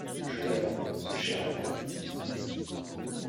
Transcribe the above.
Je l’attends… ce cher ami…